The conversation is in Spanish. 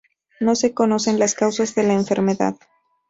No se conocen las causas de la enfermedad.